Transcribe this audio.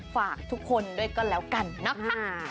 ฝากทุกคนด้วยก็แล้วกันนะคะ